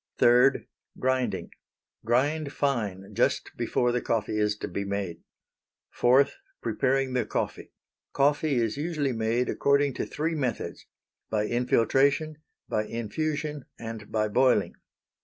3. Grinding. Grind fine just before the coffee is to be made. 4. Preparing the Coffee. Coffee is usually made according to three methods; by infiltration, by infusion, and by boiling.